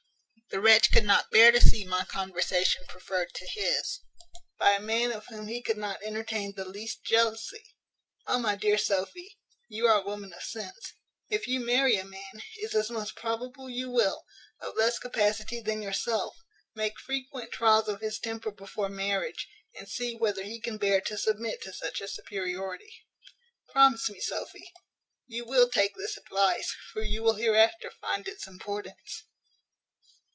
The wretch could not bear to see my conversation preferred to his, by a man of whom he could not entertain the least jealousy. O my dear Sophy, you are a woman of sense; if you marry a man, as is most probable you will, of less capacity than yourself, make frequent trials of his temper before marriage, and see whether he can bear to submit to such a superiority. Promise me, Sophy, you will take this advice; for you will hereafter find its importance."